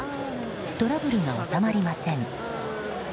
トラブルが収まりません。